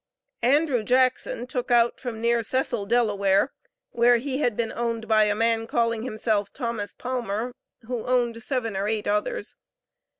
Andrew Jackson "took out" from near Cecil, Delaware, where he had been owned by a man calling himself Thomas Palmer, who owned seven or eight others.